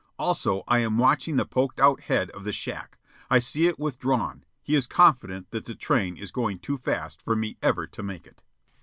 Also I am watching the poked out head of the shack. I see it withdrawn. He is confident that the train is going too fast for me ever to make it.